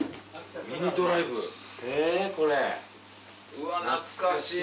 うわ懐かしい。